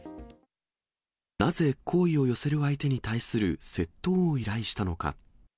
なぜ好意を寄せる相手に対する窃盗を依頼したのか。